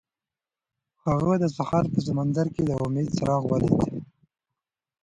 هغه د سهار په سمندر کې د امید څراغ ولید.